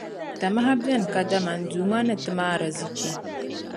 Tamaha beni kadama n Duuma ni ti ma arizichi.